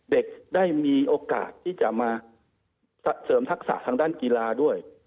เด็กได้มีโอกาสที่จะมาเสริมทักษะทางด้านกีฬาด้วย